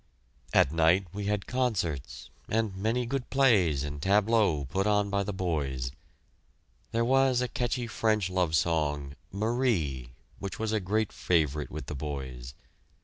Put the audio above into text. At night we had concerts, and many good plays and tableaux put on by the boys. There was a catchy French love song, "Marie," which was a great favorite with the boys.